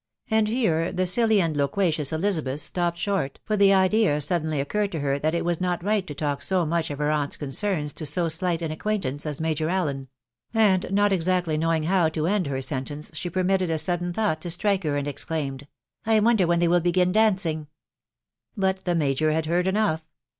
and here the silly and loquacious Elizabeth slopaied a\s%! for die idea suddenly occurred to her thai it was net va^at I to talk so much of her aunt's concerns to so alight an ac quaintance as Major Allen ; and not exactly knowing how a end her sentence, she permitted a sudden thought to auftt her, and exclaimed, •■ I wonder when they wiD hap dancing? " But the major had heard enough.